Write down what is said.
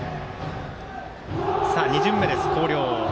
２巡目です、広陵。